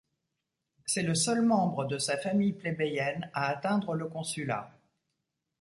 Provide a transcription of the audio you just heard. C'est le seul membre de sa famille plébéienne à atteindre le consulat.